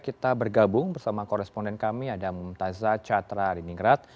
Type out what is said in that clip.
kita bergabung bersama koresponden kami adam taza catra riningrat